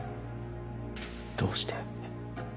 どうして？